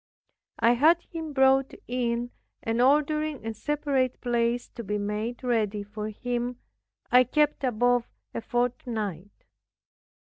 I had him brought in, and ordering a separate place to be made ready for him, I kept above a fortnight.